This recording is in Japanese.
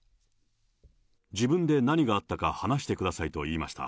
自分で何があったか話してくださいと言いました。